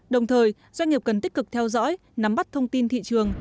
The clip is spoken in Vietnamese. đồng thời doanh nghiệp cần tích cực theo dõi nắm bắt thông tin thị trường